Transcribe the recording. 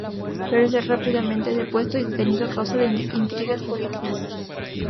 Pero es rápidamente depuesto y detenido a causa de intrigas políticas.